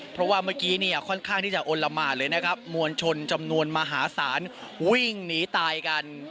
เพราะว่าเมื่อกี้เนี่ยค่อนข้างที่จะอลละหมาดเลยนะครับมวลชนจำนวนมหาศาลวิ่งหนีตายกัน